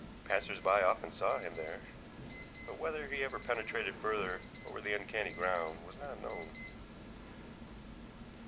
Passers by often saw him there, but whether he ever penetrated further over the uncanny ground was not known.